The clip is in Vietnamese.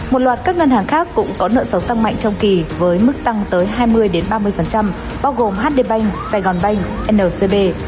một loạt các ngân hàng khác cũng có nợ xấu tăng mạnh trong kỳ với mức tăng tới hai mươi ba mươi bao gồm hdb sgb ncb